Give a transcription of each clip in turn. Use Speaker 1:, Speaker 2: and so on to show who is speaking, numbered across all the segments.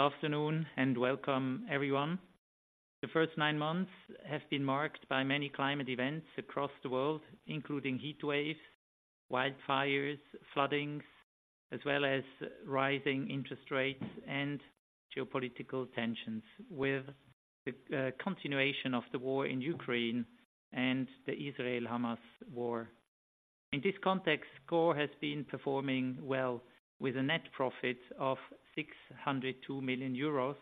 Speaker 1: Good afternoon, and welcome everyone. The first nine months have been marked by many climate events across the world, including heat waves, wildfires, floodings, as well as rising interest rates and geopolitical tensions with the continuation of the war in Ukraine and the Israel-Hamas war. In this context, SCOR has been performing well with a net profit of 602 million euros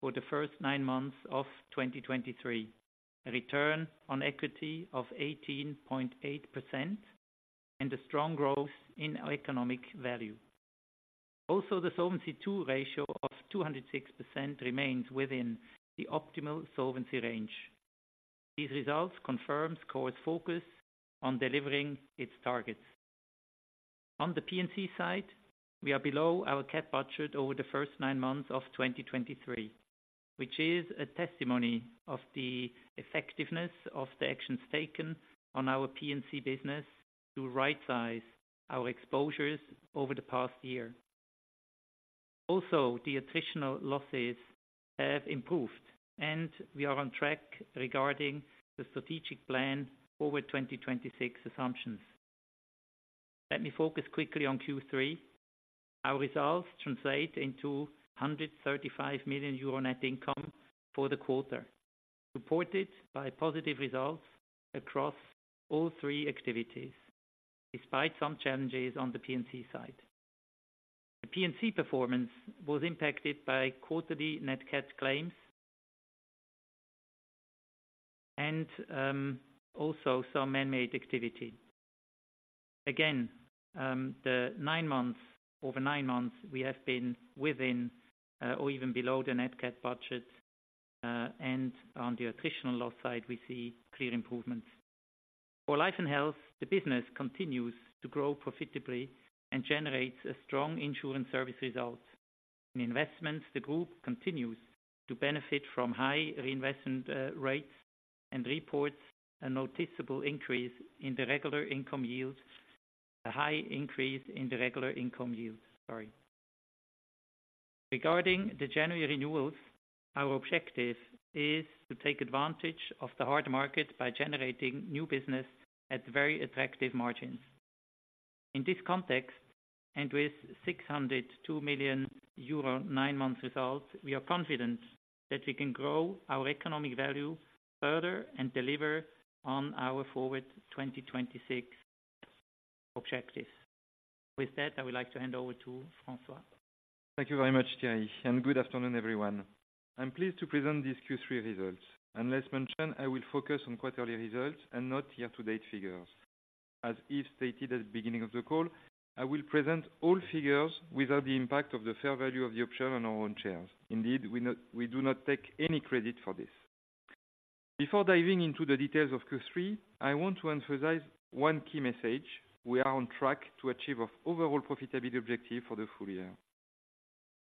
Speaker 1: for the first nine months of 2023. A return on equity of 18.8% and a strong growth in economic value. Also, the Solvency II ratio of 206% remains within the optimal solvency range. These results confirms SCOR's focus on delivering its targets. On the P&C side, we are below our cat budget over the first nine months of 2023, which is a testimony of the effectiveness of the actions taken on our P&C business to right size our exposures over the past year. Also, the attritional losses have improved, and we are on track regarding the strategic plan Forward 2026 assumptions. Let me focus quickly on Q3. Our results translate into 135 million euro net income for the quarter, supported by positive results across all three activities, despite some challenges on the P&C side. The P&C performance was impacted by quarterly net cat claims, and, also some man-made activity. Again, over nine months, we have been within, or even below the net cat budget, and on the attritional loss side, we see clear improvements. For Life and Health, the business continues to grow profitably and generates a strong insurance service result. In investments, the group continues to benefit from high reinvestment rates and reports a noticeable increase in the regular income yields. A high increase in the regular income yields, sorry. Regarding the January renewals, our objective is to take advantage of the hard market by generating new business at very attractive margins. In this context, and with 602 million euro nine months results, we are confident that we can grow our economic value further and deliver on our Forward 2026 objectives. With that, I would like to hand over to François.
Speaker 2: Thank you very much, Thierry, and good afternoon, everyone. I'm pleased to present these Q3 results. Let's mention, I will focus on quarterly results and not year-to-date figures. As Yves stated at the beginning of the call, I will present all figures without the impact of the fair value of the option on our own shares. Indeed, we not, we do not take any credit for this. Before diving into the details of Q3, I want to emphasize one key message. We are on track to achieve our overall profitability objective for the full year.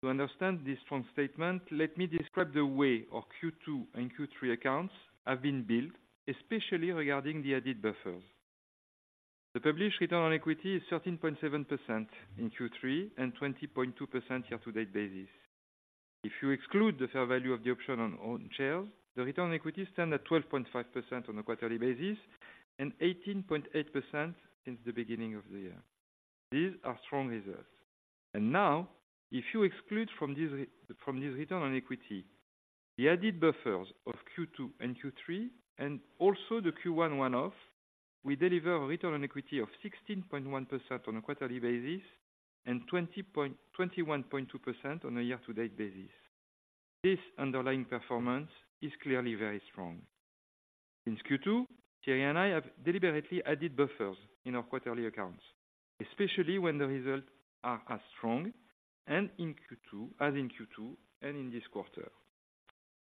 Speaker 2: To understand this strong statement, let me describe the way our Q2 and Q3 accounts have been built, especially regarding the added buffers. The published return on equity is 13.7% in Q3 and 20.2% year to date basis. If you exclude the fair value of the option on own shares, the return on equity stand at 12.5% on a quarterly basis and 18.8% since the beginning of the year. These are strong results. And now, if you exclude from this from this return on equity, the added buffers of Q2 and Q3, and also the Q1 one-off, we deliver a return on equity of 16.1% on a quarterly basis and 21.2% on a year-to-date basis. This underlying performance is clearly very strong. Since Q2, Thierry and I have deliberately added buffers in our quarterly accounts, especially when the results are as strong, and in Q2, as in Q2, and in this quarter.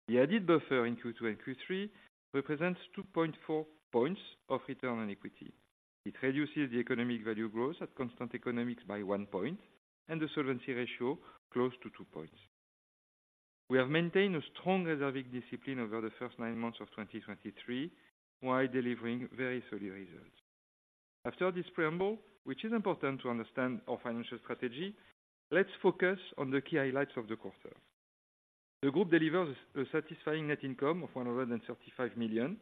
Speaker 2: The added buffer in Q2 and Q3 represents 2.4 points of return on equity. It reduces the economic value growth at constant economics by 1 point and the solvency ratio close to 2 points. We have maintained a strong reserving discipline over the first nine months of 2023, while delivering very solid results. After this preamble, which is important to understand our financial strategy, let's focus on the key highlights of the quarter. The group delivers a satisfying net income of 135 million,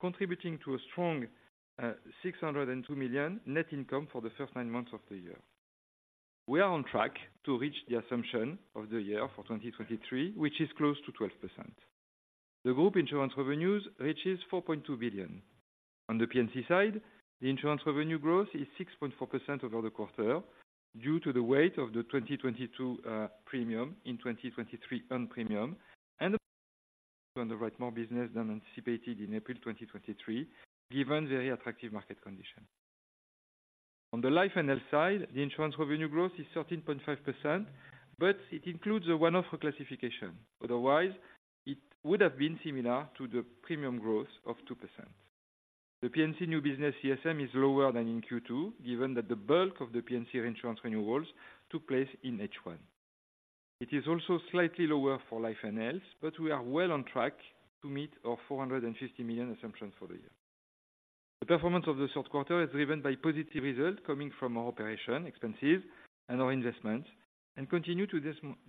Speaker 2: contributing to a strong, 602 million net income for the first nine months of the year. We are on track to reach the assumption of the year for 2023, which is close to 12%. The group insurance revenues reaches 4.2 billion. On the P&C side, the insurance revenue growth is 6.4% over the quarter due to the weight of the 2022 premium in 2023 earned premium, and to underwrite more business than anticipated in April 2023, given very attractive market conditions. On the life and health side, the insurance revenue growth is 13.5%, but it includes a one-off reclassification. Otherwise, it would have been similar to the premium growth of 2%. The P&C new business CSM is lower than in Q2, given that the bulk of the P&C reinsurance renewals took place in H1. It is also slightly lower for life and health, but we are well on track to meet our 450 million assumptions for the year. The performance of the third quarter is driven by positive results coming from our operating expenses and our investments, and continue to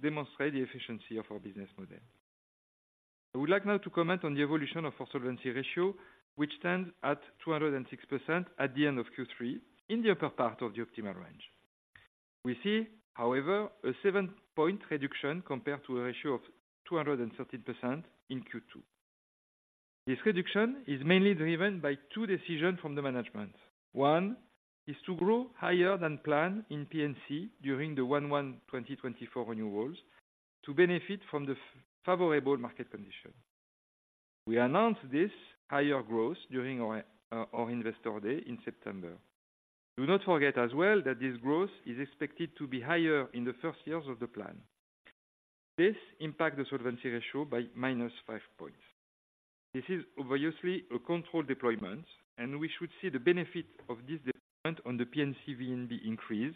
Speaker 2: demonstrate the efficiency of our business model. I would like now to comment on the evolution of our solvency ratio, which stands at 206% at the end of Q3, in the upper part of the optimal range. We see, however, a 7 point reduction compared to a ratio of 213% in Q2. This reduction is mainly driven by two decisions from the management. One is to grow higher than planned in P&C during the 1.1 2024 renewals, to benefit from the favorable market condition. We announced this higher growth during our Investor Day in September. Do not forget as well, that this growth is expected to be higher in the first years of the plan. This impact the solvency ratio by -5 points. This is obviously a controlled deployment, and we should see the benefit of this deployment on the P&C VNB increase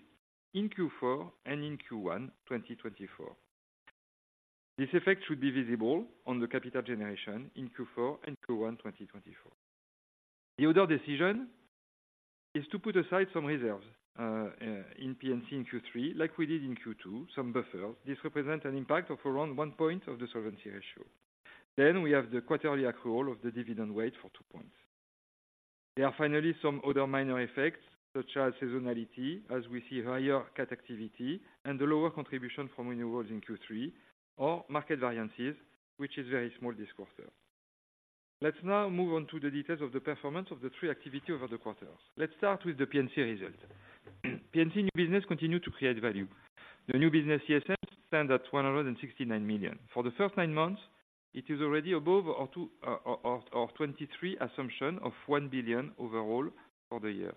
Speaker 2: in Q4 and in Q1, 2024. This effect should be visible on the capital generation in Q4 and Q1, 2024. The other decision is to put aside some reserves, in P&C in Q3, like we did in Q2, some buffers. This represent an impact of around 1 point of the solvency ratio. Then we have the quarterly accrual of the dividend rate for 2 points. There are finally some other minor effects, such as seasonality, as we see higher cat activity and the lower contribution from renewals in Q3, or market variances, which is very small this quarter. Let's now move on to the details of the performance of the three activity over the quarters. Let's start with the P&C results. P&C new business continue to create value. The new business CSM stands at 169 million. For the first nine months, it is already above our 2023 assumption of 1 billion overall for the year.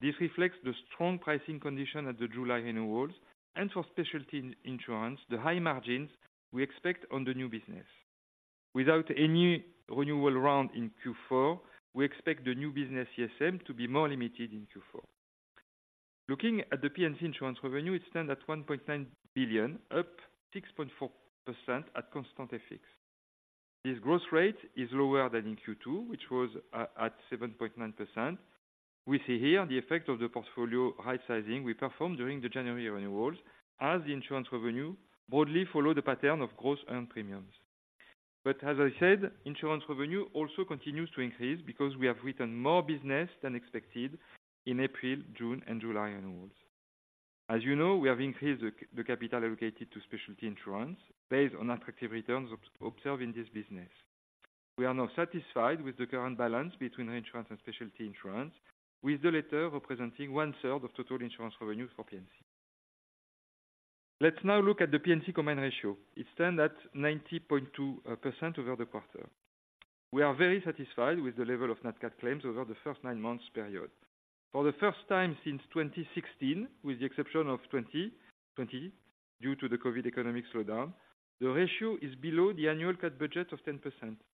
Speaker 2: This reflects the strong pricing condition at the July renewals, and for specialty in insurance, the high margins we expect on the new business. Without any renewal round in Q4, we expect the new business CSM to be more limited in Q4. Looking at the P&C insurance revenue, it stands at 1.9 billion, up 6.4% at constant FX. This growth rate is lower than in Q2, which was at 7.9%. We see here the effect of the portfolio right sizing we performed during the January renewals, as the insurance revenue broadly followed the pattern of gross earned premiums. But as I said, insurance revenue also continues to increase because we have written more business than expected in April, June, and July renewals. As you know, we have increased the capital allocated to specialty insurance based on attractive returns observed in this business. We are now satisfied with the current balance between insurance and specialty insurance, with the latter representing 1/3 of total insurance revenue for P&C. Let's now look at the P&C combined ratio. It stands at 90.2% over the quarter. We are very satisfied with the level of net cat claims over the first nine months period. For the first time since 2016, with the exception of 2020, due to the COVID economic slowdown, the ratio is below the annual cat budget of 10%,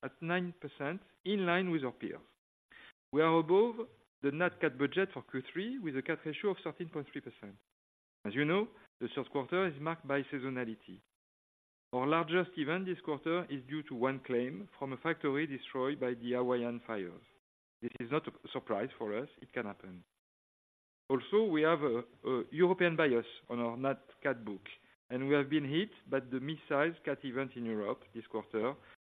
Speaker 2: at 9%, in line with our peers. We are above the net cat budget for Q3, with a cat ratio of 13.3%. As you know, the third quarter is marked by seasonality. Our largest event this quarter is due to one claim from a factory destroyed by the Hawaiian fires. This is not a surprise for us. It can happen. Also, we have a European bias on our net cat book, and we have been hit by the mid-size cat event in Europe this quarter,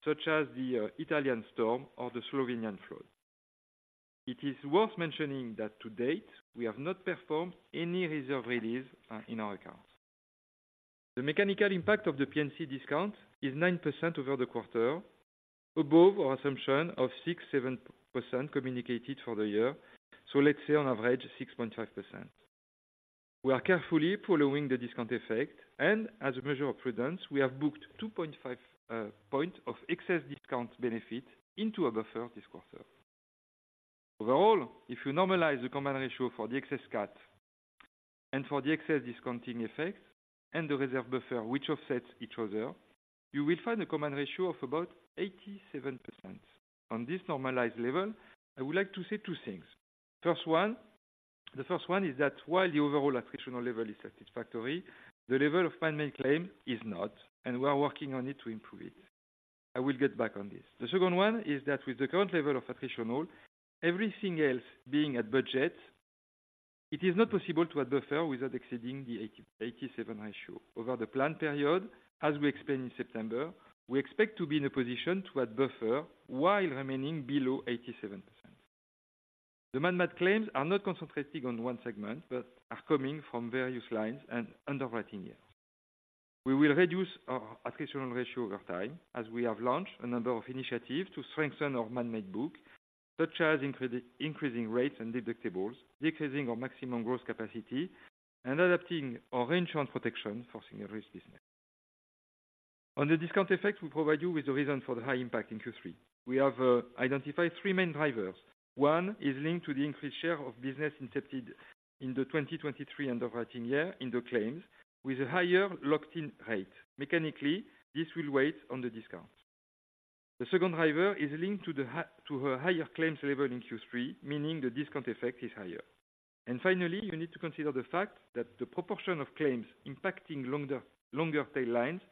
Speaker 2: such as the Italian storm or the Slovenian flood. It is worth mentioning that to date, we have not performed any reserve release in our accounts. The mechanical impact of the P&C discount is 9% over the quarter, above our assumption of 6%-7% communicated for the year, so let's say on average, 6.5%. We are carefully following the discount effect, and as a measure of prudence, we have booked 2.5 point of excess discount benefit into a buffer this quarter. Overall, if you normalize the Combined Ratio for the excess cat and for the excess discounting effect and the reserve buffer, which offsets each other, you will find a Combined Ratio of about 87%. On this normalized level, I would like to say two things. First one, the first one is that while the overall attritional level is satisfactory, the level of man-made claim is not, and we are working on it to improve it. I will get back on this. The second one is that with the current level of attritional, everything else being at budget, it is not possible to add buffer without exceeding the 87% ratio. Over the plan period, as we explained in September, we expect to be in a position to add buffer while remaining below 87%. The man-made claims are not concentrated on one segment, but are coming from various lines and underwriting year. We will reduce our attritional ratio over time, as we have launched a number of initiatives to strengthen our man-made book, such as increasing rates and deductibles, decreasing our maximum growth capacity, and adapting our insurance protection for single risk business. On the discount effect, we provide you with the reason for the high impact in Q3. We have identified three main drivers. One is linked to the increased share of business incepted in the 2023 underwriting year in the claims, with a higher locked-in rate. Mechanically, this will weigh on the discount. The second driver is linked to a higher claims level in Q3, meaning the discount effect is higher. And finally, you need to consider the fact that the proportion of claims impacting longer, longer tail lines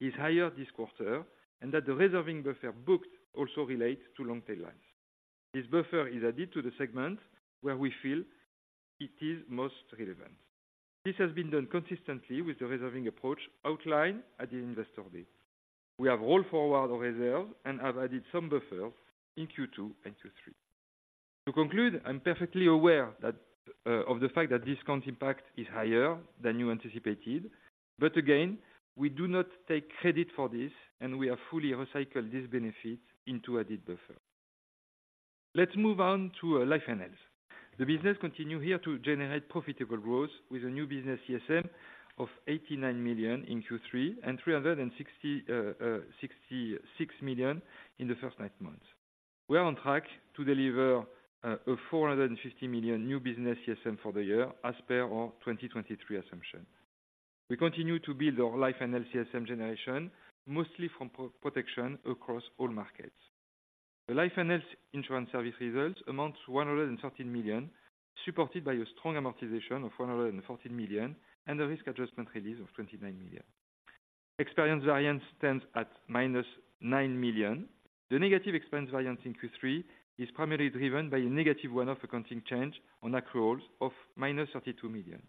Speaker 2: is higher this quarter, and that the reserving buffer booked also relate to long tail lines. This buffer is added to the segment where we feel it is most relevant. This has been done consistently with the reserving approach outlined at the Investor Day. We have rolled forward our reserve and have added some buffer in Q2 and Q3. To conclude, I'm perfectly aware that of the fact that discount impact is higher than you anticipated, but again, we do not take credit for this, and we have fully recycled this benefit into added buffer. Let's move on to life and health. The business continue here to generate profitable growth with a new business CSM of 89 million in Q3 and 366 million in the first nine months. We are on track to deliver a 450 million new business CSM for the year as per our 2023 assumption. We continue to build our life and CSM generation, mostly from protection across all markets. The life and health insurance service results amounts to 113 million, supported by a strong amortization of 114 million, and a risk adjustment release of 29 million. Experience variance stands at -9 million. The negative expense variance in Q3 is primarily driven by a negative one-off accounting change on accruals of -32 million.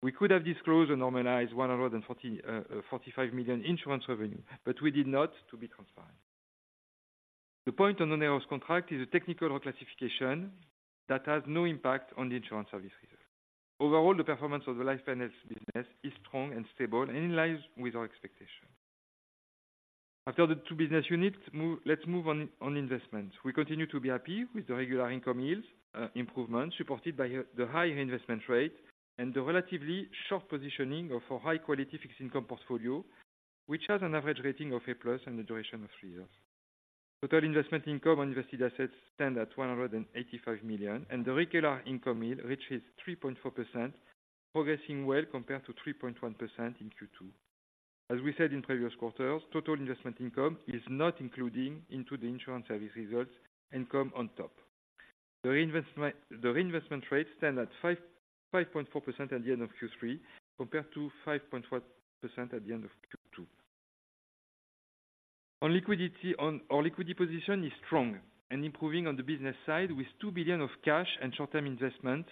Speaker 2: We could have disclosed a normalized 145 million insurance revenue, but we did not to be transparent. The point on the onerous contract is a technical reclassification that has no impact on the insurance service result. Overall, the performance of the life and health business is strong and stable and in line with our expectations. After the two business units, let's move on to investment. We continue to be happy with the regular income yields improvement, supported by the high investment rate and the relatively short positioning of our high-quality fixed income portfolio, which has an average rating of A+ and a duration of three years. Total investment income on invested assets stand at 185 million, and the regular income yield reaches 3.4%, progressing well compared to 3.1% in Q2. As we said in previous quarters, total investment income is not including into the insurance service results income on top. The reinvestment, the reinvestment rate stand at 5.4% at the end of Q3, compared to 5.1% at the end of Q2. On liquidity, on our liquidity position is strong and improving on the business side, with 2 billion of cash and short-term investment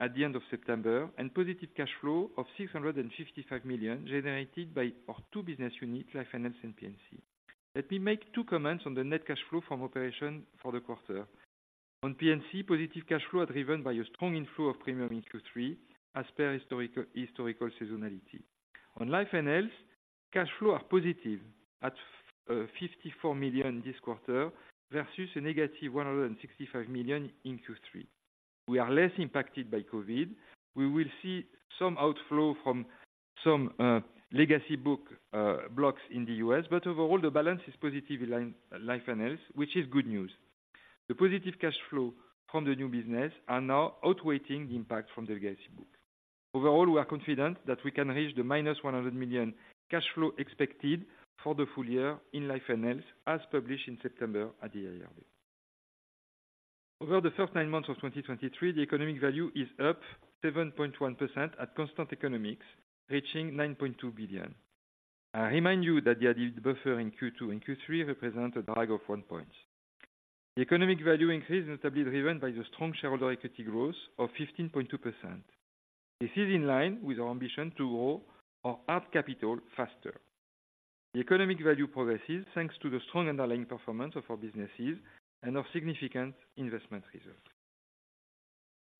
Speaker 2: at the end of September, and positive cash flow of 655 million generated by our two business units, Life and Health and P&C. Let me make two comments on the net cash flow from operation for the quarter. On P&C, positive cash flow are driven by a strong inflow of premium in Q3 as per historical seasonality. On Life and Health, cash flow are positive at 54 million this quarter versus -165 million in Q3. We are less impacted by COVID. We will see some outflow from some legacy book blocks in the U.S., but overall, the balance is positive in Life, Life and Health, which is good news. The positive cash flow from the new business are now outweighing the impact from the legacy book. Overall, we are confident that we can reach the -100 million cash flow expected for the full year in Life and Health, as published in September at the Investor Day. Over the first nine months of 2023, the economic value is up 7.1% at constant economics, reaching 9.2 billion. I remind you that the added buffer in Q2 and Q3 represent a drag of one point. The economic value increase is notably driven by the strong shareholder equity growth of 15.2%. This is in line with our ambition to grow our hard capital faster. The economic value progresses thanks to the strong underlying performance of our businesses and our significant investment reserve.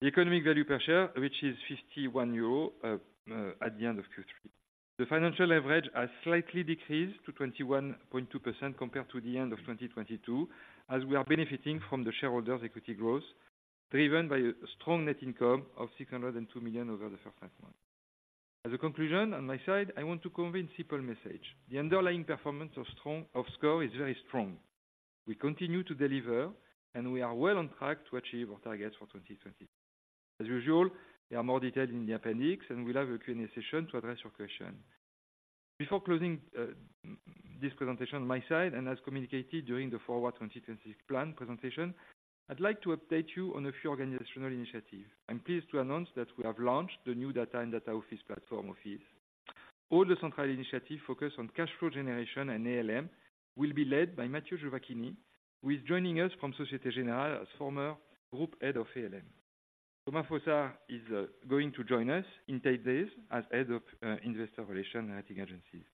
Speaker 2: The economic value per share, which is 51 euros, at the end of Q3. The financial leverage has slightly decreased to 21.2% compared to the end of 2022, as we are benefiting from the shareholders' equity growth, driven by a strong net income of 602 million over the first nine months. As a conclusion, on my side, I want to convey a simple message. The underlying performance of strong- of SCOR is very strong. We continue to deliver, and we are well on track to achieve our targets for 2020. As usual, there are more details in the appendix, and we'll have a Q&A session to address your question. Before closing this presentation on my side, and as communicated during the Forward 2026 plan presentation, I'd like to update you on a few organizational initiatives. I'm pleased to announce that we have launched the new data and data office platform of [Thias]. All the central initiatives focused on cash flow generation and ALM will be led by Matthew Giovacchini, who is joining us from Société Générale as former Group Head of ALM. Thomas Fossard is going to join us in 10 days as Head of Investor Relations and Rating Agencies.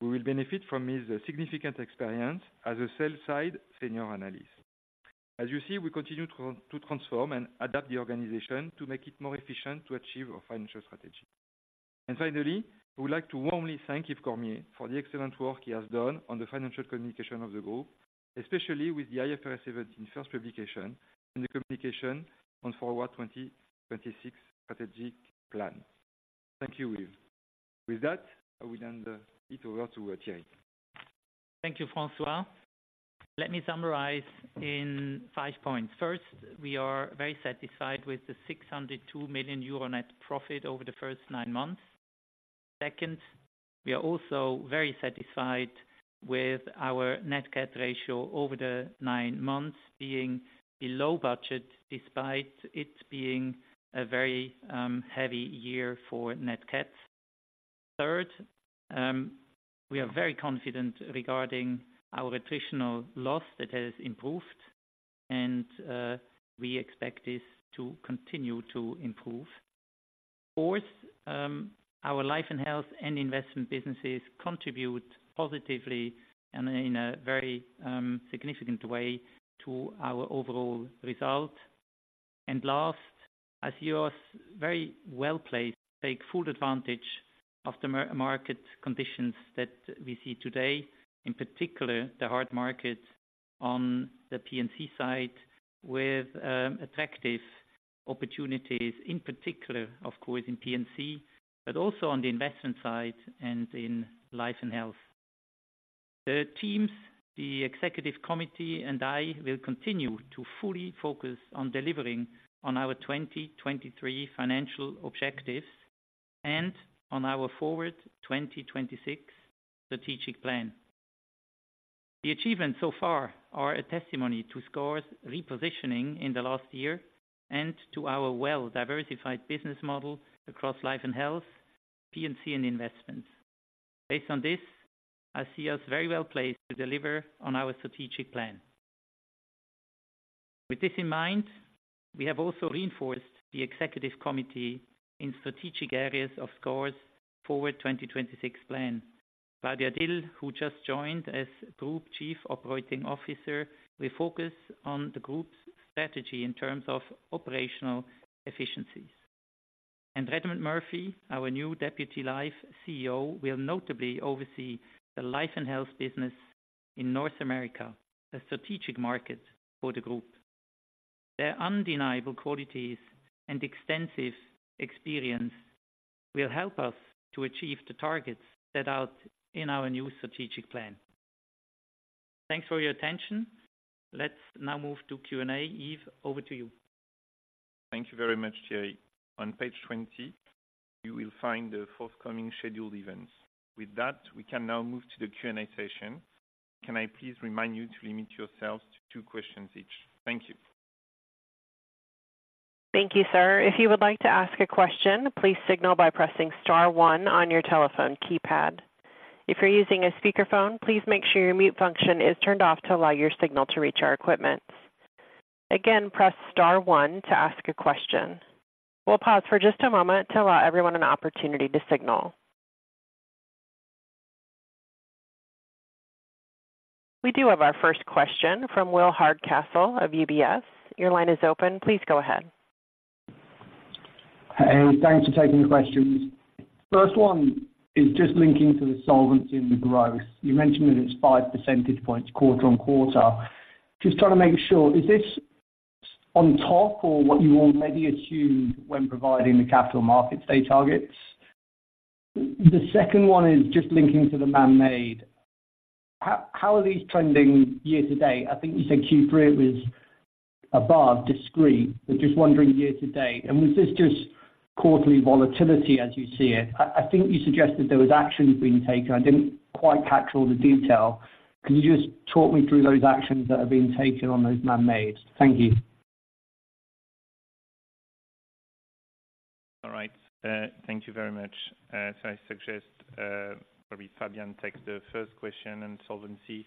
Speaker 2: We will benefit from his significant experience as a sell-side senior analyst. As you see, we continue to transform and adapt the organization to make it more efficient to achieve our financial strategy. Finally, I would like to warmly thank Yves Cormier for the excellent work he has done on the financial communication of the group, especially with the IFRS event in first publication and the communication on Forward 2026 strategic plan. Thank you, Yves. With that, I will hand it over to Thierry.
Speaker 1: Thank you, François. Let me summarize in five points. First, we are very satisfied with the 602 million euro net profit over the first nine months.... Second, we are also very satisfied with our net cat ratio over the nine months being below budget, despite it being a very heavy year for net cats. Third, we are very confident regarding our attritional loss that has improved, and we expect this to continue to improve. Fourth, our life and health and investment businesses contribute positively and in a very significant way to our overall result. And last, I see us very well-placed to take full advantage of the market conditions that we see today, in particular, the hard market on the P&C side, with attractive opportunities, in particular, of course, in P&C, but also on the investment side and in life and health. The teams, the executive committee, and I will continue to fully focus on delivering on our 2023 financial objectives and on our Forward 2026 strategic plan. The achievements so far are a testimony to SCOR's repositioning in the last year and to our well-diversified business model across life and health, P&C, and investments. Based on this, I see us very well placed to deliver on our strategic plan. With this in mind, we have also reinforced the executive committee in strategic areas of SCOR's Forward 2026 plan. Claudia Dill, who just joined as Group Chief Operating Officer, will focus on the group's strategy in terms of operational efficiencies. Redmond Murphy, our new Deputy Life CEO, will notably oversee the life and health business in North America, a strategic market for the group. Their undeniable qualities and extensive experience will help us to achieve the targets set out in our new strategic plan. Thanks for your attention. Let's now move to Q&A. Yves, over to you.
Speaker 3: Thank you very much, Thierry. On page 20, you will find the forthcoming scheduled events. With that, we can now move to the Q&A session. Can I please remind you to limit yourselves to two questions each? Thank you.
Speaker 4: Thank you, sir. If you would like to ask a question, please signal by pressing star one on your telephone keypad. If you're using a speakerphone, please make sure your mute function is turned off to allow your signal to reach our equipment. Again, press star one to ask a question. We'll pause for just a moment to allow everyone an opportunity to signal. We do have our first question from Will Hardcastle of UBS. Your line is open. Please go ahead.
Speaker 5: Hey, thanks for taking the questions. First one is just linking to the solvency and the growth. You mentioned that it's 5 percentage points, quarter-on-quarter. Just trying to make sure, is this on top or what you already assumed when providing the capital markets day targets? The second one is just linking to the man-made. How are these trending year to date? I think you said Q3 was above discrete, but just wondering year to date, and was this just quarterly volatility as you see it? I think you suggested there was actions being taken. I didn't quite catch all the detail. Can you just talk me through those actions that are being taken on those man-mades? Thank you.
Speaker 3: All right, thank you very much. I suggest probably Fabian takes the first question on solvency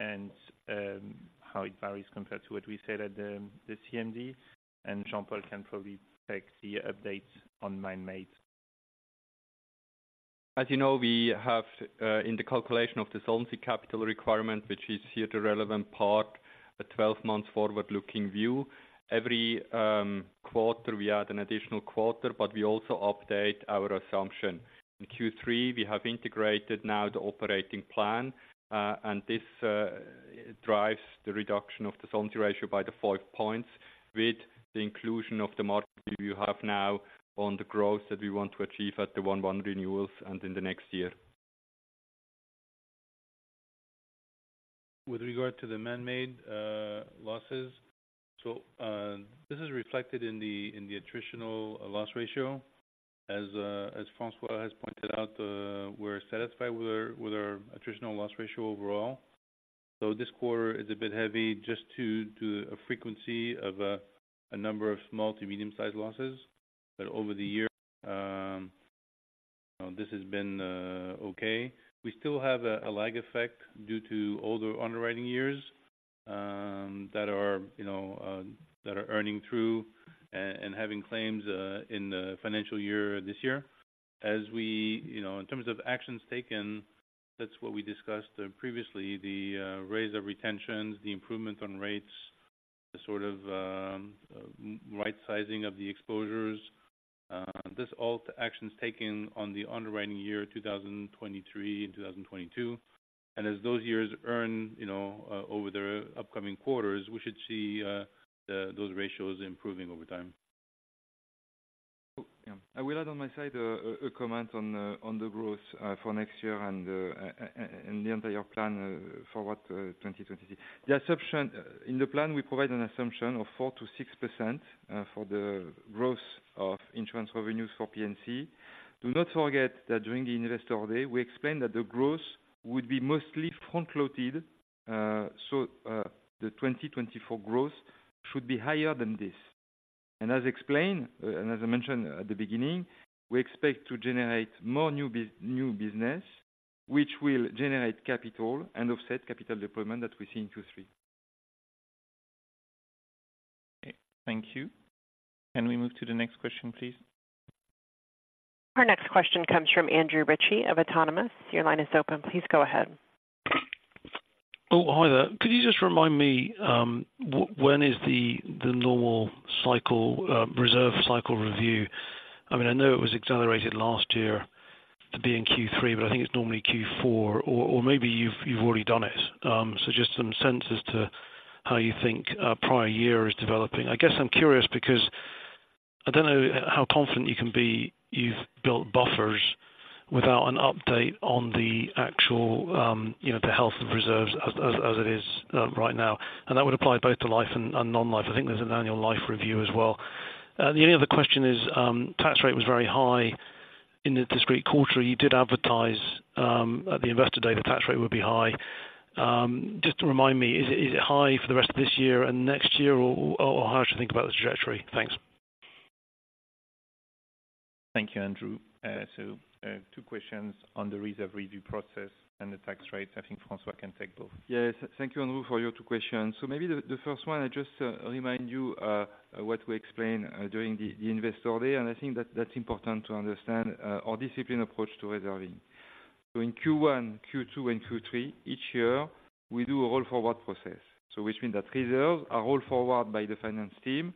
Speaker 3: and how it varies compared to what we said at the CMD. And Jean-Paul can probably take the updates on man-mades.
Speaker 6: As you know, we have in the calculation of the solvency capital requirement, which is here, the relevant part, a 12-month forward-looking view. Every quarter, we add an additional quarter, but we also update our assumption. In Q3, we have integrated now the operating plan, and this drives the reduction of the solvency ratio by 5 points, with the inclusion of the market view you have now on the growth that we want to achieve at the 1.1 renewals and in the next year. With regard to the man-made losses. So, this is reflected in the attritional loss ratio. As François has pointed out, we're satisfied with our attritional loss ratio overall. So this quarter is a bit heavy, just due to a frequency of a number of small to medium-sized losses. But over the year, this has been okay. We still have a lag effect due to older underwriting years that are, you know, that are earning through, and having claims in the financial year, this year. As we, you know, in terms of actions taken, that's what we discussed previously, the raise of retentions, the improvement on rates, the sort of right sizing of the exposures. This all actions taken on the underwriting year 2023 and 2022. As those years earn, you know, over the upcoming quarters, we should see those ratios improving over time. ...
Speaker 2: I will add on my side a comment on the growth for next year and the entire plan for 2020. The assumption in the plan, we provide an assumption of 4%-6% for the growth of insurance revenues for P&C. Do not forget that during the Investor Day, we explained that the growth would be mostly front-loaded. So, the 2024 growth should be higher than this. And as explained, and as I mentioned at the beginning, we expect to generate more new business, which will generate capital and offset capital deployment that we see in 2,3.
Speaker 3: Okay, thank you. Can we move to the next question, please?
Speaker 4: Our next question comes from Andrew Ritchie of Autonomous. Your line is open. Please go ahead.
Speaker 7: Oh, hi there. Could you just remind me when is the normal cycle reserve cycle review? I mean, I know it was accelerated last year to be in Q3, but I think it's normally Q4, or maybe you've already done it. So just some sense as to how you think prior year is developing. I guess I'm curious because I don't know how confident you can be you've built buffers without an update on the actual you know, the health of reserves as it is right now. And that would apply both to life and non-life. I think there's an annual life review as well. The only other question is tax rate was very high in the discrete quarter. You did advertise at the Investor Day, the tax rate would be high. Just to remind me, is it high for the rest of this year and next year, or how should I think about the trajectory? Thanks.
Speaker 3: Thank you, Andrew. So, two questions on the reserve review process and the tax rates. I think François can take both.
Speaker 2: Yes. Thank you, Andrew, for your two questions. So maybe the first one, I just remind you what we explained during the Investor Day, and I think that's important to understand our disciplined approach to reserving. So in Q1, Q2, and Q3 each year, we do a roll forward process. So which means that reserves are rolled forward by the finance team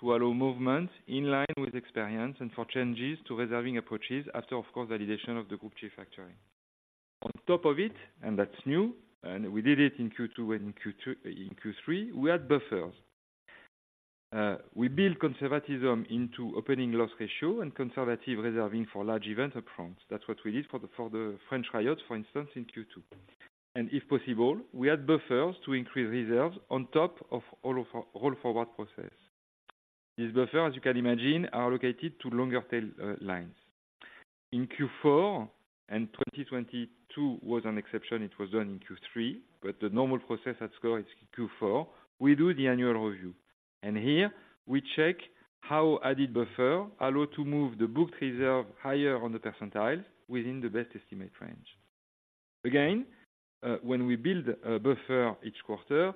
Speaker 2: to allow movement in line with experience and for changes to reserving approaches after, of course, validation of the Group Chief Actuary. On top of it, and that's new, and we did it in Q2 and Q3, we add buffers. We build conservatism into opening loss ratio and conservative reserving for large event upfront. That's what we did for the, for the French riot, for instance, in Q2. And if possible, we add buffers to increase reserves on top of all of our roll forward process. These buffers, as you can imagine, are allocated to longer tail lines. In Q4, and 2022 was an exception, it was done in Q3, but the normal process at SCOR is Q4, we do the annual review. And here, we check how added buffer allow to move the booked reserve higher on the percentile within the best estimate range. Again, when we build a buffer each quarter,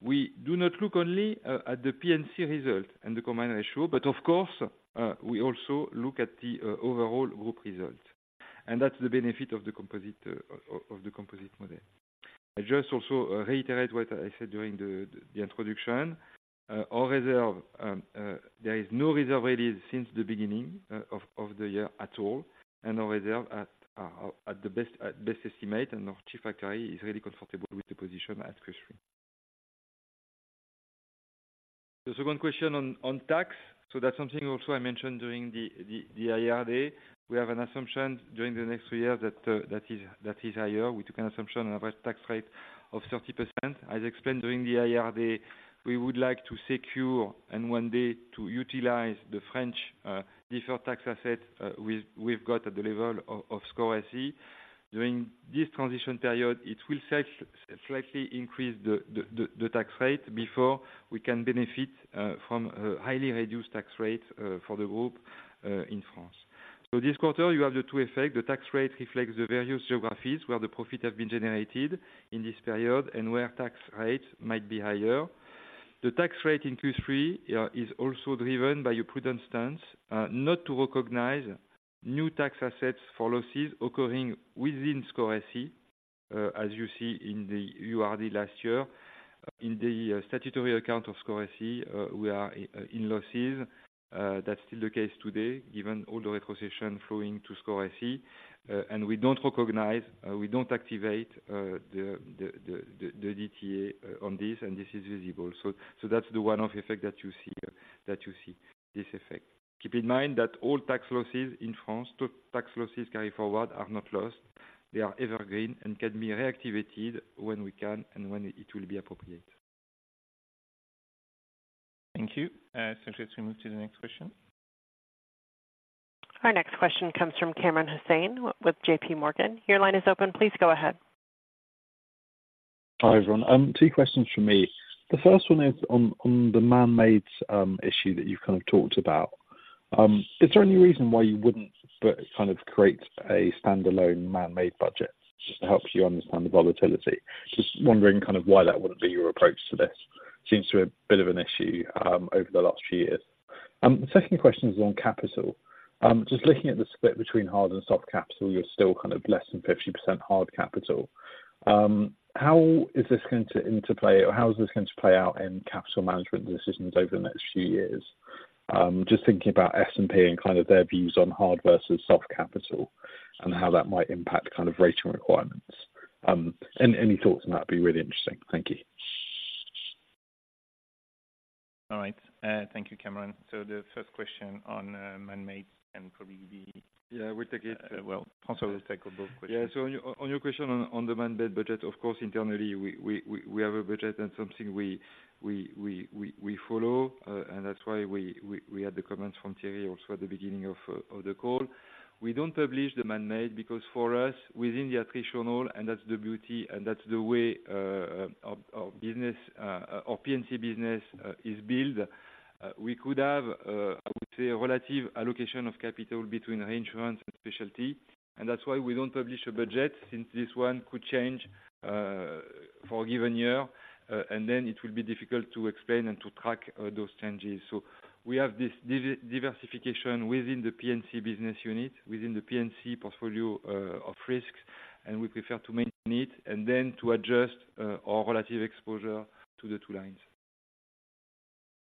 Speaker 2: we do not look only at the P&C result and the combined ratio, but of course, we also look at the overall group result, and that's the benefit of the composite model. I just also reiterate what I said during the introduction. Our reserve, there is no reserve released since the beginning of the year at all, and our reserve at Best Estimate, and our chief actuary is really comfortable with the position at Q3. The second question on tax, so that's something also I mentioned during the IR day. We have an assumption during the next three years that that is higher. We took an assumption on average tax rate of 30%. As explained during the IR day, we would like to secure and one day to utilize the French Deferred Tax Asset we've got at the level of SCOR SE. During this transition period, it will slightly increase the tax rate before we can benefit from a highly reduced tax rate for the group in France. So this quarter you have the two effect. The tax rate reflects the various geographies where the profit has been generated in this period and where tax rates might be higher. The tax rate in Q3 is also driven by a prudent stance not to recognize new tax assets for losses occurring within SCOR SE. As you see in the URB last year, in the statutory account of SCOR SE, we are in losses. That's still the case today, given all the retrocession flowing to SCOR SE. And we don't recognize, we don't activate the DTA on this, and this is visible. So that's the one-off effect that you see, that you see this effect. Keep in mind that all tax losses in France, to tax losses carry forward, are not lost. They are evergreen and can be reactivated when we can and when it will be appropriate.
Speaker 3: Thank you. So let's move to the next question.
Speaker 4: Our next question comes from Kamran Hossain with JPMorgan. Your line is open. Please go ahead.
Speaker 8: Hi, everyone. Two questions from me. The first one is on the man-made issue that you've kind of talked about. Is there any reason why you wouldn't but kind of create a standalone man-made budget just to help you understand the volatility? Just wondering kind of why that wouldn't be your approach to this. Seems to be a bit of an issue over the last few years. The second question is on capital. Just looking at the split between hard and soft capital, you're still kind of less than 50% hard capital. How is this going to interplay, or how is this going to play out in capital management decisions over the next few years? Just thinking about S&P and kind of their views on hard versus soft capital and how that might impact kind of rating requirements. Any thoughts on that would be really interesting. Thank you....
Speaker 3: All right. Thank you, Kamran. So the first question on man-made can probably be-
Speaker 2: Yeah, we take it.
Speaker 3: Well, François will take both questions.
Speaker 2: Yeah. So on your question on the man-made budget, of course, internally, we have a budget and something we follow. And that's why we had the comments from Terry also at the beginning of the call. We don't publish the man-made because for us, within the attritional, and that's the beauty, and that's the way our business, our P&C business, is built. We could have, I would say, a relative allocation of capital between arrangements and specialty, and that's why we don't publish a budget, since this one could change for a given year. And then it will be difficult to explain and to track those changes. So we have this diversification within the P&C business unit, within the P&C portfolio, of risks, and we prefer to maintain it and then to adjust our relative exposure to the two lines.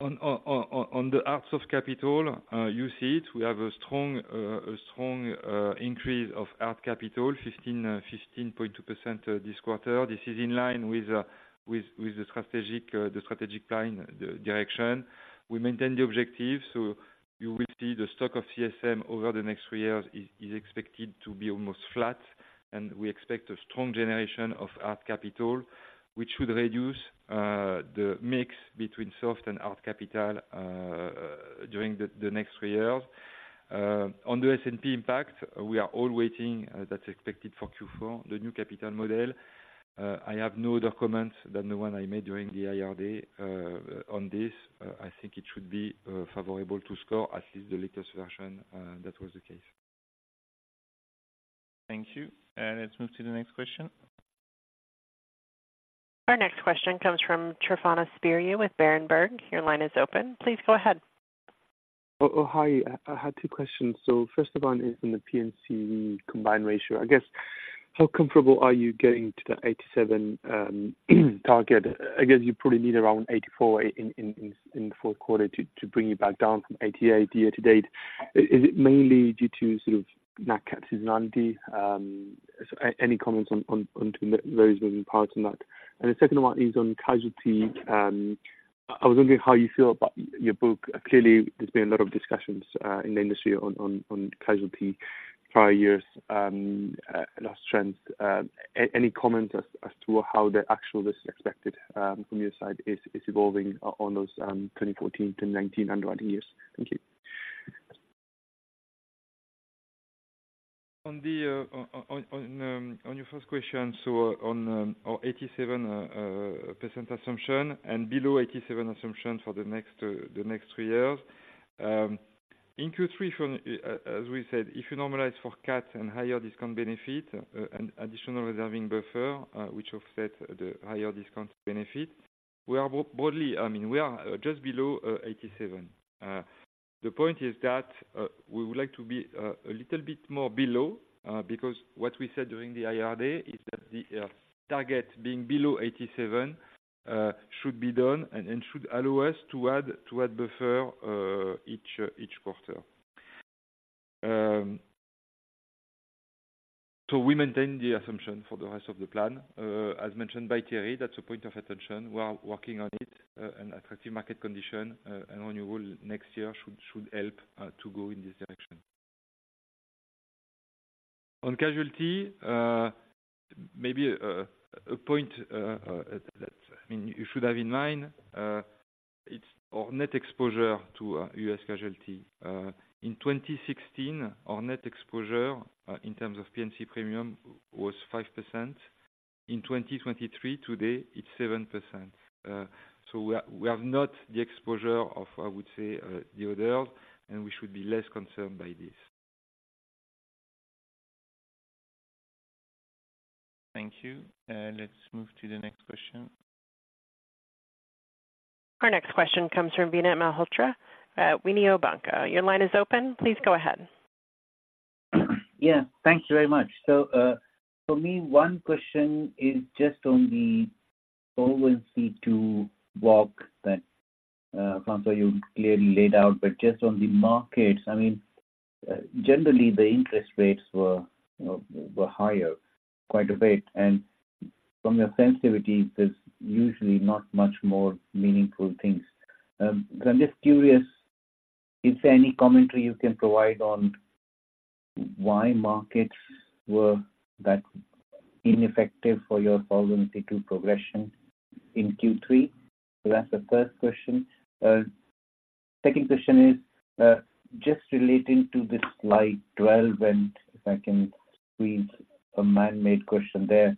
Speaker 2: On the art of capital, you see it, we have a strong increase of art capital, 15.2%, this quarter. This is in line with the strategic plan, the direction. We maintain the objective, so you will see the stock of CSM over the next three years is expected to be almost flat, and we expect a strong generation of art capital, which should reduce the mix between soft and hard capital during the next three years. On the S&P impact, we are all waiting. That's expected for Q4, the new capital model. I have no other comments than the one I made during the IR Day, on this. I think it should be favorable to SCOR, at least the latest version. That was the case.
Speaker 3: Thank you. Let's move to the next question.
Speaker 4: Our next question comes from Tryfonas Spyrou with Berenberg. Your line is open. Please go ahead.
Speaker 9: Oh, oh, hi. I had two questions. So first of all, is on the P&C combined ratio. I guess, how comfortable are you getting to the 87 target? I guess you probably need around 84 in the fourth quarter to bring you back down from 88 year to date. Is it mainly due to sort of not cat seasonality? So any comments on those moving parts on that. And the second one is on casualty. I was wondering how you feel about your book. Clearly, there's been a lot of discussions in the industry on casualty prior years lost trends. Any comments as to how the actual is expected from your side, is evolving on those 2014 to 2019 underwriting years? Thank you.
Speaker 2: On your first question, so on our 87% assumption and below 87% assumption for the next three years. In Q3, as we said, if you normalize for CAT and higher discount benefit, an additional reserving buffer, which offset the higher discount benefit, we are broadly... I mean, we are just below 87%. The point is that we would like to be a little bit more below, because what we said during the IR Day is that the target being below 87%, should be done and should allow us to add buffer each quarter. So we maintain the assumption for the rest of the plan. As mentioned by Terry, that's a point of attention. We are working on it, an attractive market condition, and on your role next year should help to go in this direction. On casualty, maybe a point that, I mean, you should have in mind, it's our net exposure to U.S. Casualty. In 2016, our net exposure in terms of PNC premium was 5%. In 2023, today, it's 7%. So we are not the exposure of, I would say, the other, and we should be less concerned by this.
Speaker 3: Thank you. Let's move to the next question.
Speaker 4: Our next question comes from Vinit Malhotra at Mediobanca. Your line is open. Please go ahead.
Speaker 10: Yeah, thank you very much. So, for me, one question is just on the solvency to walk that, François, you clearly laid out, but just on the markets, I mean, generally, the interest rates were, were higher, quite a bit, and from your sensitivities, there's usually not much more meaningful things. So I'm just curious, is there any commentary you can provide on why markets were that ineffective for your solvency to progression in Q3? So that's the first question. Second question is, just relating to the slide 12, and if I can read a man-made question there.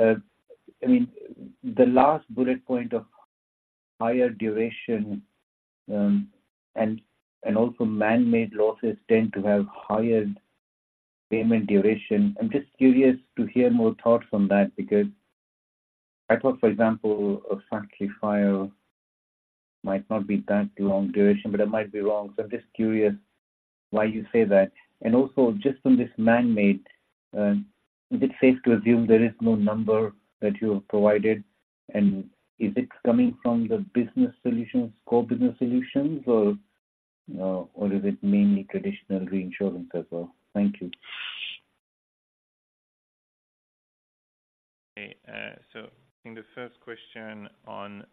Speaker 10: I mean, the last bullet point of higher duration, and, and also man-made losses tend to have higher payment duration. I'm just curious to hear more thoughts on that, because I thought, for example, a factory fire might not be that long duration, but I might be wrong. So I'm just curious why you say that. And also, just on this man-made, is it safe to assume there is no number that you have provided, and is it coming from the business solutions, SCOR Business Solutions, or, or is it mainly traditional reinsurance as well? Thank you....
Speaker 3: So I think the first question on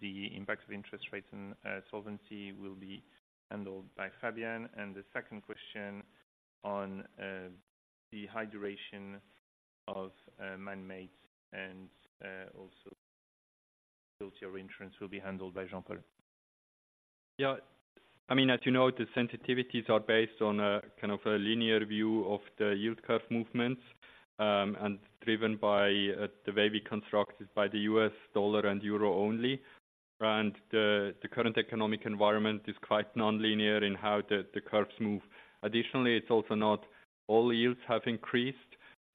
Speaker 3: the impact of interest rates and solvency will be handled by Fabian. The second question on the handling of man-made and also reinsurance will be handled by Jean-Paul.
Speaker 6: Yeah. I mean, as you know, the sensitivities are based on a kind of a linear view of the yield curve movements, and driven by the way we constructed by the U.S. dollar and euro only. The current economic environment is quite nonlinear in how the curves move. Additionally, it's also not all yields have increased.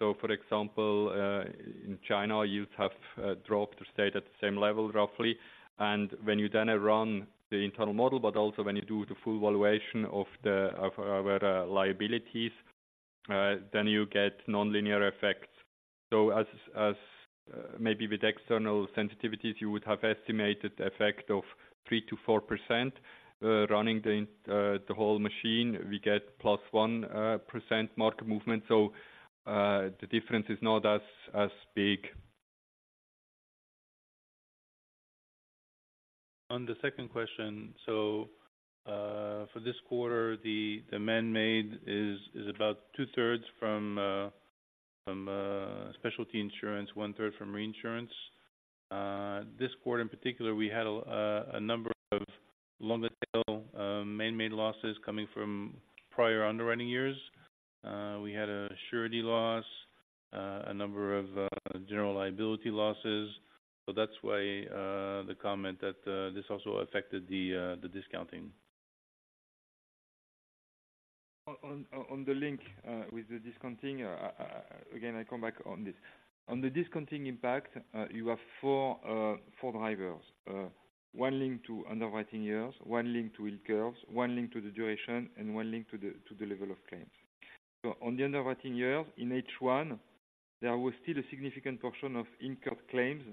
Speaker 6: So for example, in China, yields have dropped or stayed at the same level, roughly. And when you then run the internal model, but also when you do the full valuation of our liabilities, then you get nonlinear effects. So maybe with external sensitivities, you would have estimated the effect of 3%-4%, running the whole machine, we get +1% market movement. So the difference is not as big.
Speaker 11: On the second question, so, for this quarter, the man-made is about 2/3 from specialty insurance, 1/3 from reinsurance. This quarter in particular, we had a number of longer tail man-made losses coming from prior underwriting years. We had a surety loss, a number of general liability losses. So that's why the comment that this also affected the discounting.
Speaker 2: On the link with the discounting, again, I come back on this. On the discounting impact, you have four drivers: one linked to underwriting years, one linked to yield curves, one linked to the duration, and one linked to the level of claims. So on the underwriting years, in H1, there was still a significant portion of incurred claims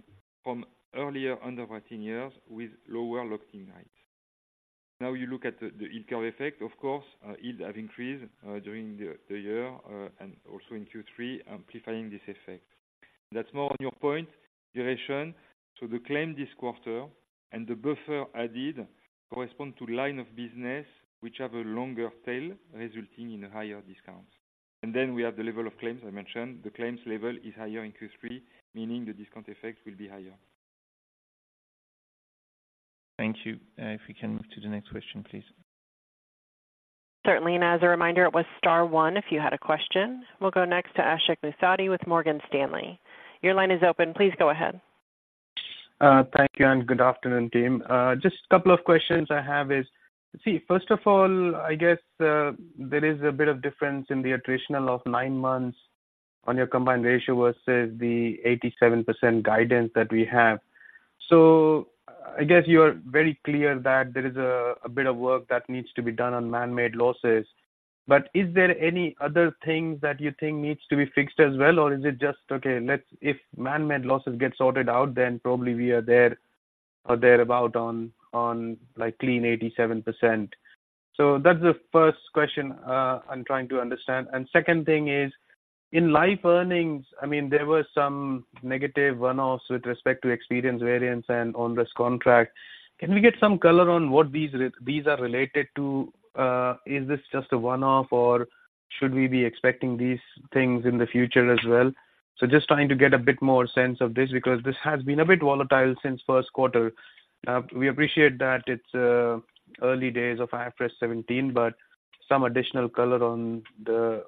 Speaker 2: from earlier underwriting years with lower locked-in rates. Now, you look at the yield curve effect, of course, yields have increased during the year and also in Q3, amplifying this effect. That's more on your point, duration, so the claim this quarter and the buffer added correspond to line of business, which have a longer tail, resulting in higher discounts. And then we have the level of claims I mentioned. The claims level is higher in Q3, meaning the discount effect will be higher.
Speaker 3: Thank you. If we can move to the next question, please.
Speaker 4: Certainly. And as a reminder, it was star one, if you had a question. We'll go next to Ashik Musaddi with Morgan Stanley. Your line is open. Please go ahead.
Speaker 12: Thank you, and good afternoon, team. Just a couple of questions I have is: see, first of all, I guess, there is a bit of difference in the attritional of nine months on your combined ratio versus the 87% guidance that we have. So I guess you are very clear that there is a bit of work that needs to be done on man-made losses. But is there any other things that you think needs to be fixed as well, or is it just, okay, let's-- if man-made losses get sorted out, then probably we are there or thereabout on, on, like, clean 87%. So that's the first question, I'm trying to understand. And second thing is, in life earnings, I mean, there were some negative one-offs with respect to experience variance and on this contract. Can we get some color on what these are related to? Is this just a one-off, or should we be expecting these things in the future as well? Just trying to get a bit more sense of this, because this has been a bit volatile since first quarter. We appreciate that it's early days of IFRS 17, but some additional color on the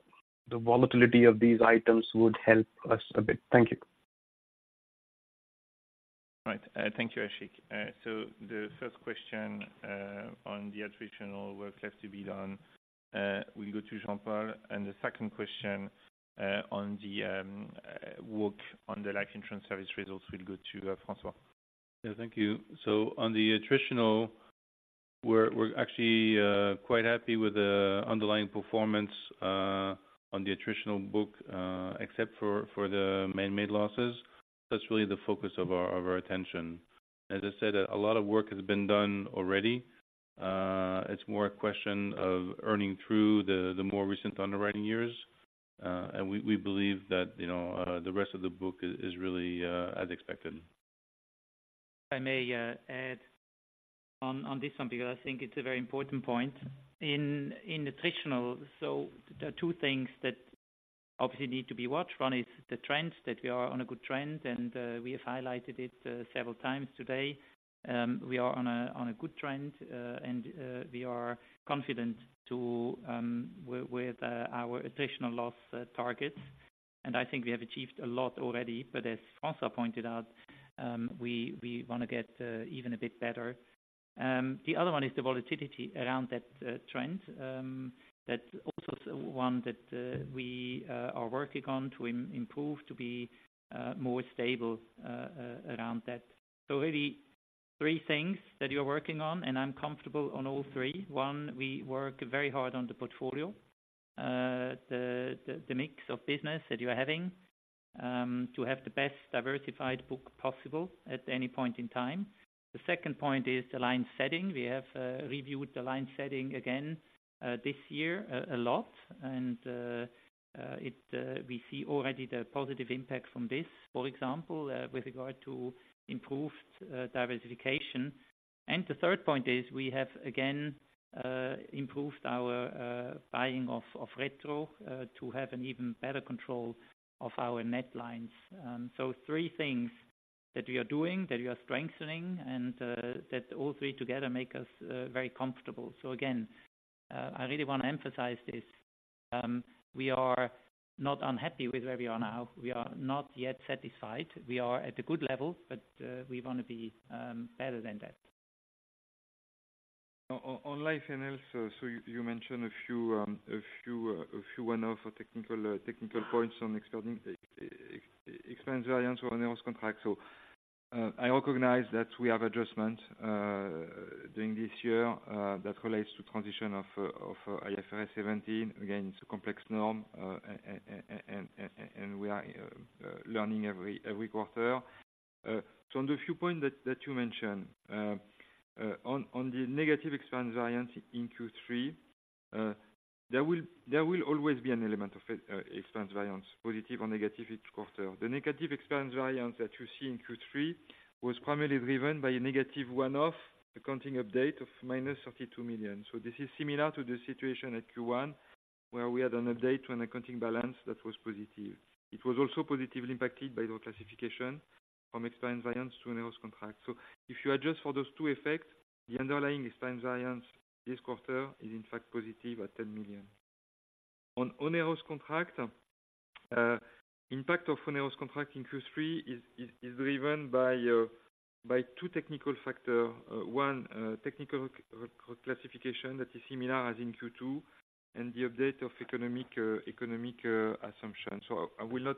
Speaker 12: volatility of these items would help us a bit. Thank you.
Speaker 3: Right. Thank you, Ashik. So the first question on the attritional work left to be done will go to Jean-Paul, and the second question on the work on the life insurance service results will go to François.
Speaker 11: Yeah, thank you. So on the attritional, we're actually quite happy with the underlying performance on the attritional book, except for the man-made losses. That's really the focus of our attention. As I said, a lot of work has been done already. It's more a question of earning through the more recent underwriting years. And we believe that, you know, the rest of the book is really as expected.
Speaker 1: I may add on, on this one, because I think it's a very important point. In attritional, so there are two things that obviously need to be watched. One is the trend, that we are on a good trend, and we have highlighted it several times today. We are on a good trend, and we are confident with our attritional loss targets. And I think we have achieved a lot already, but as François pointed out, we want to get even a bit better. The other one is the volatility around that trend. That's also one that we are working on to improve, to be more stable around that. So really, three things that we're working on, and I'm comfortable on all three. One, we work very hard on the portfolio, the mix of business that you're having, to have the best diversified book possible at any point in time. The second point is the line setting. We have reviewed the line setting again, this year, a lot, and we see already the positive impact from this, for example, with regard to improved diversification. And the third point is, we have again improved our buying of retro to have an even better control of our net lines. So three things that we are doing, that we are strengthening, and that all three together make us very comfortable. So again, I really want to emphasize this. We are not unhappy with where we are now. We are not yet satisfied. We are at a good level, but we want to be better than that.
Speaker 2: On life and health. So you mentioned a few one-off for technical points on excluding expense variance on contract. So I recognize that we have adjustment during this year that relates to transition of IFRS 17. Again, it's a complex norm, and we are learning every quarter. So on the few points that you mentioned on the negative expense variance in Q3, there will always be an element of expense variance, positive or negative each quarter. The negative expense variance that you see in Q3 was primarily driven by a negative one-off accounting update of -32 million. So this is similar to the situation at Q1, where we had an update to an accounting balance that was positive. It was also positively impacted by the classification from expense variance to an onerous contract. So if you adjust for those two effects, the underlying expense variance this quarter is in fact positive at 10 million. On onerous contract, impact of onerous contract in Q3 is driven by two technical factor. One, technical reclassification that is similar as in Q2, and the update of economic assumption. So I will not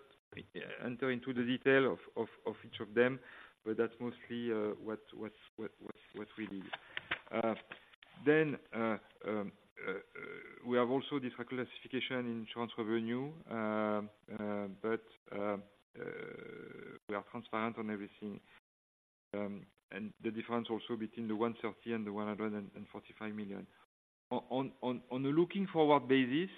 Speaker 2: enter into the detail of each of them, but that's mostly what's really, then we have also this reclassification in transfer revenue. But we are transparent on everything. And the difference also between the 130 million and the 145 million. On a looking forward basis,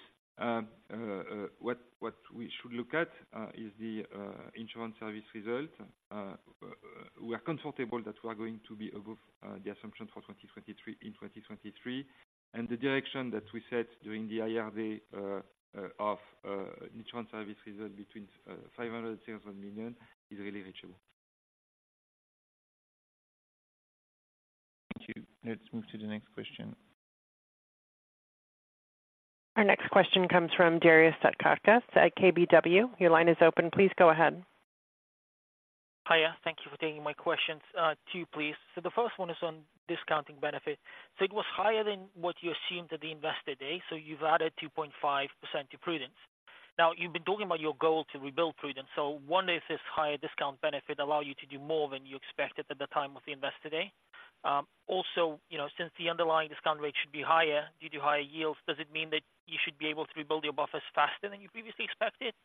Speaker 2: what we should look at is the Insurance Service Result. We are comfortable that we are going to be above the assumption for 2023, in 2023, and the direction that we set during the IR Day of Insurance Service Result between 500 million and 600 million is really reachable.
Speaker 3: Thank you. Let's move to the next question.
Speaker 4: Our next question comes from Darius Satkauskas at KBW. Your line is open. Please go ahead.
Speaker 13: Hiya, thank you for taking my questions, two please. So the first one is on discounting benefit. So it was higher than what you assumed at the Investor Day. So you've added 2.5% to prudence. Now, you've been talking about your goal to rebuild prudence. So one, is this higher discount benefit allow you to do more than you expected at the time of the Investor Day? Also, you know, since the underlying discount rate should be higher, due to higher yields, does it mean that you should be able to rebuild your buffers faster than you previously expected?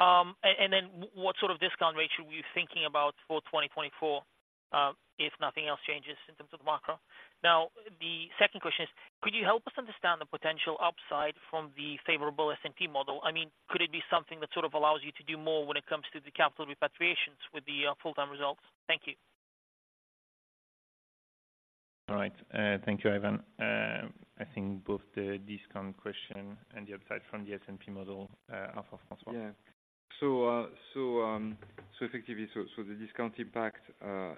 Speaker 13: And then what sort of discount rate should we thinking about for 2024, if nothing else changes in terms of the macro? Now, the second question is, could you help us understand the potential upside from the favorable S&P model? I mean, could it be something that sort of allows you to do more when it comes to the capital repatriations with the, full-time results? Thank you.
Speaker 3: All right. Thank you, Ivan. I think both the discount question and the upside from the S&P model are for François.
Speaker 2: Yeah. So effectively, the discount impact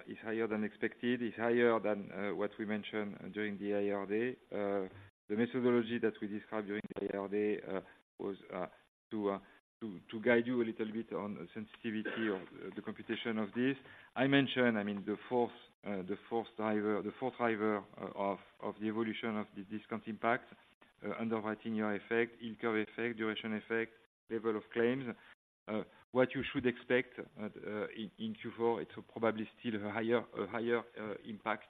Speaker 2: is higher than expected, is higher than what we mentioned during the IR Day. The methodology that we described during the IR Day was to guide you a little bit on sensitivity of the computation of this. I mentioned, I mean, the fourth driver, the fourth driver of the evolution of the discount impact, underwriting year effect, income effect, duration effect, level of claims. What you should expect in Q4, it's probably still higher, a higher impact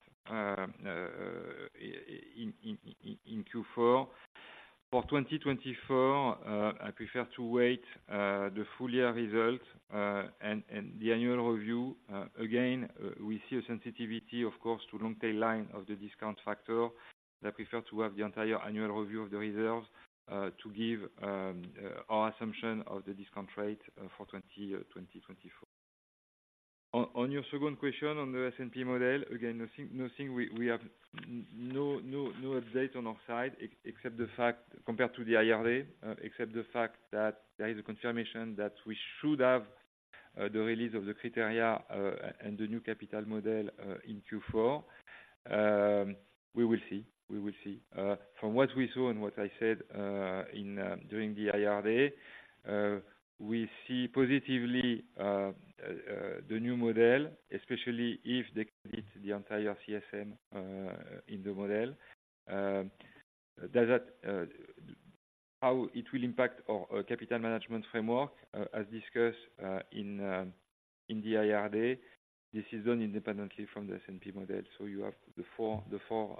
Speaker 2: in Q4. For 2024, I prefer to wait the full year result and the annual review. Again, we see a sensitivity, of course, to long tail line of the discount factor. I prefer to have the entire annual review of the reserves to give our assumption of the discount rate for 2024. On your second question on the S&P model, again, nothing we have no update on our side, except the fact compared to the IR Day, except the fact that there is a confirmation that we should have the release of the criteria and the new capital model in Q4. We will see, we will see. From what we saw and what I said during the IR Day, we see positively the new model, especially if they complete the entire CSM in the model. Does that, how it will impact our capital management framework, as discussed in the IR Day, this is done independently from the S&P model. So you have the four, the four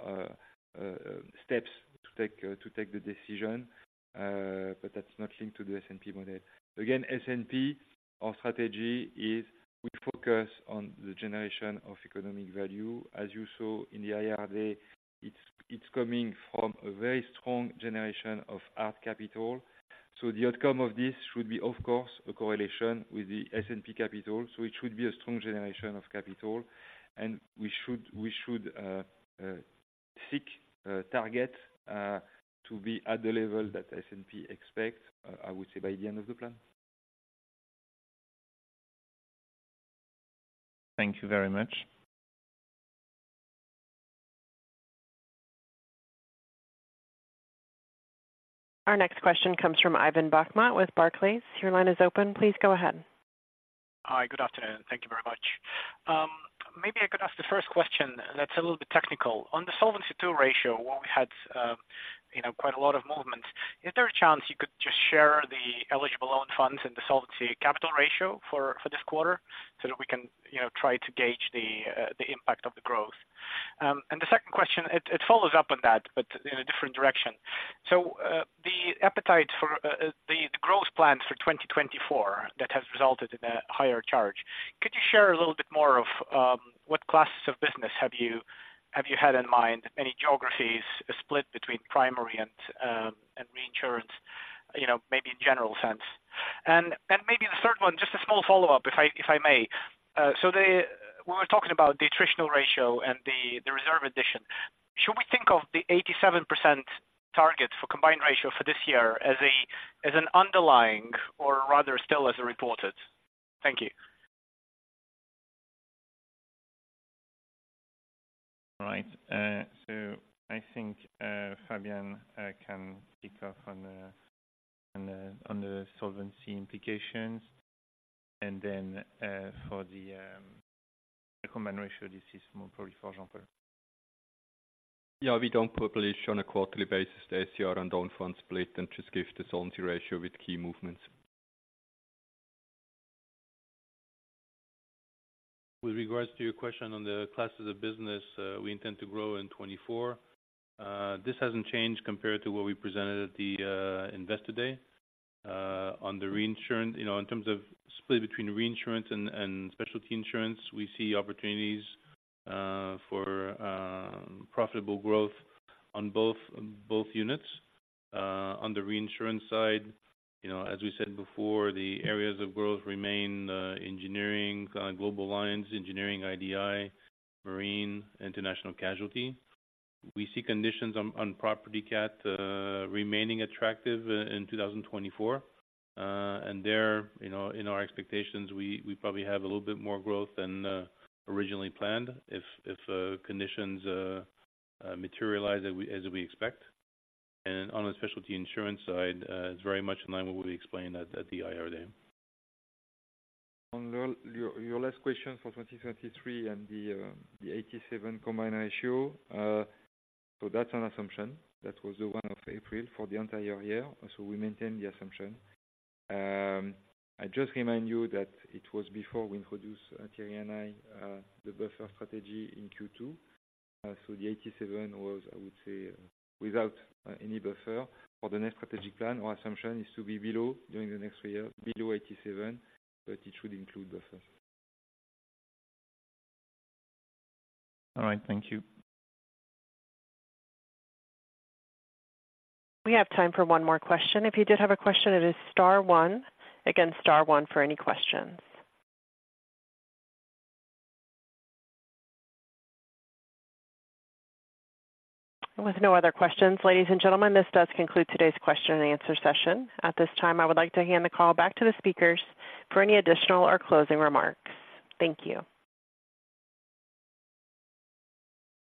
Speaker 2: steps to take to take the decision, but that's not linked to the S&P model. Again, S&P, our strategy is we focus on the generation of economic value. As you saw in the IR Day, it's coming from a very strong generation of hard capital.... So the outcome of this should be, of course, a correlation with the S&P capital. So it should be a strong generation of capital, and we should seek target to be at the level that S&P expects, I would say by the end of the plan.
Speaker 3: Thank you very much.
Speaker 4: Our next question comes from Ivan Bokhmat with Barclays. Your line is open. Please go ahead.
Speaker 14: Hi, good afternoon. Thank you very much. Maybe I could ask the first question that's a little bit technical. On the Solvency II ratio, where we had, you know, quite a lot of movement, is there a chance you could just share the eligible own funds and the solvency capital ratio for, for this quarter, so that we can, you know, try to gauge the, the impact of the growth? And the second question, it follows up on that, but in a different direction. So, the appetite for, the growth plan for 2024, that has resulted in a higher charge, could you share a little bit more of, what classes of business have you, have you had in mind? Any geographies split between primary and, and reinsurance, you know, maybe in general sense. Maybe the third one, just a small follow-up, if I may. So the... We were talking about the attritional ratio and the reserve addition. Should we think of the 87% target for combined ratio for this year as an underlying or rather still as a reported? Thank you.
Speaker 3: All right. So I think Fabian can kick off on the solvency implications. And then, for the Combined Ratio, this is more probably for Jean-Paul.
Speaker 6: Yeah, we don't publish on a quarterly basis the SCR and own funds split, and just give the solvency ratio with key movements.
Speaker 11: With regards to your question on the classes of business, we intend to grow in 2024. This hasn't changed compared to what we presented at the Investor Day. On the reinsurance, you know, in terms of split between reinsurance and specialty insurance, we see opportunities for profitable growth on both units. On the reinsurance side, you know, as we said before, the areas of growth remain engineering, global lines, engineering IDI, marine, international casualty. We see conditions on property cat remaining attractive in 2024. And there, you know, in our expectations, we probably have a little bit more growth than originally planned if conditions materialize as we expect. On the Specialty Insurance side, it's very much in line with what we explained at the IR Day.
Speaker 6: On your last question for 2023 and the 87 combined ratio. So that's an assumption. That was the one of April for the entire year. So we maintain the assumption. I just remind you that it was before we introduced, Thierry and I, the buffer strategy in Q2. So the 87 was, I would say, without any buffer. For the next strategic plan, our assumption is to be below, during the next three years, below 87, but it should include buffer.
Speaker 3: All right. Thank you.
Speaker 4: We have time for one more question. If you did have a question, it is star one. Again, star one for any questions. With no other questions, ladies and gentlemen, this does conclude today's question and answer session. At this time, I would like to hand the call back to the speakers for any additional or closing remarks. Thank you.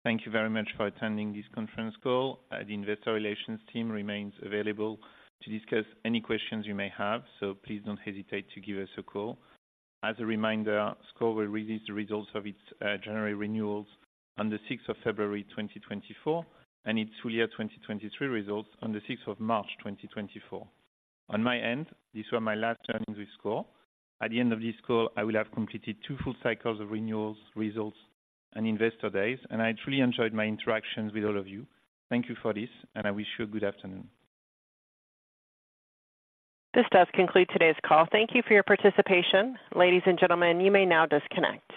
Speaker 3: Thank you very much for attending this conference call. The investor relations team remains available to discuss any questions you may have, so please don't hesitate to give us a call. As a reminder, SCOR will release the results of its January renewals on February 6th, 2024, and its full year 2023 results on March 6th, 2024. On my end, these were my last earnings with SCOR. At the end of this call, I will have completed two full cycles of renewals, results, and investor days, and I truly enjoyed my interactions with all of you. Thank you for this, and I wish you a good afternoon.
Speaker 4: This does conclude today's call. Thank you for your participation. Ladies and gentlemen, you may now disconnect.